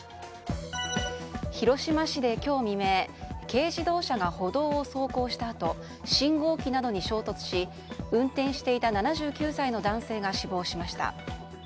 広島市で今日未明軽自動車が歩道を走行したあと信号機などに衝突し運転していた７９歳の男性が死亡しました。